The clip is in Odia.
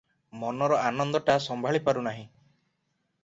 ମନର ଆନନ୍ଦଟା ସମ୍ଭାଳି ପାରୁ ନାହିଁ ।